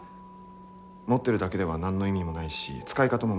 持ってるだけでは何の意味もないし使い方も難しい。